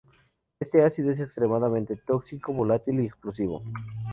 Este ácido es extremadamente tóxico volátil y explosivo.